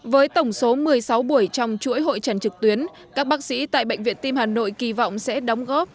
với tổng số một mươi sáu buổi trong chuỗi hội trần trực tuyến các bác sĩ tại bệnh viện tim hà nội kỳ vọng sẽ đóng góp